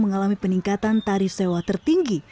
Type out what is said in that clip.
mengalami peningkatan tarif sewa tertinggi